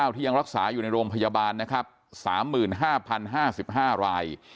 ที่ยังรักษาอยู่ในโรงพยาบาลนะครับ๓๕๐๕๕ราย